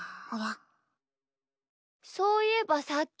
そういえばさっき。